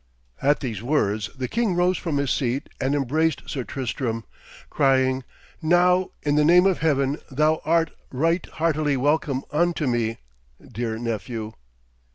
At these words the king rose from his seat and embraced Sir Tristram, crying: 'Now, in the name of Heaven, thou art right heartily welcome unto me, dear nephew.'